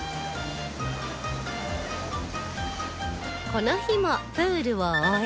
この日もプールを終え